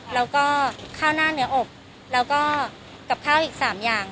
แล้วก็ข้าวหน้าเนื้ออบแล้วก็กับข้าวอีก๓อย่าง